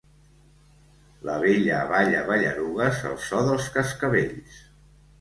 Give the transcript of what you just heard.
La bella balla ballarugues al so dels cascavells.